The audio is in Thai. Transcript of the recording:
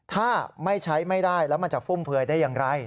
ถ้าไม่ใช้ไม่ได้แล้วมันจะฟุ่มเผยได้อย่างไร